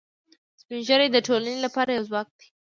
سپین ږیری د ټولنې لپاره یو ځواک دي